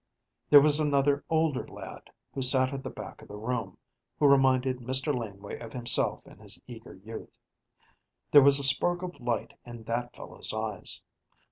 There was another older lad, who sat at the back of the room, who reminded Mr. Laneway of himself in his eager youth. There was a spark of light in that fellow's eyes.